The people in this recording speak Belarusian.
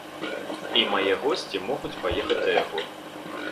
І мае госці могуць паехаць да яго.